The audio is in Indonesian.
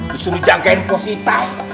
disuruh jagain posita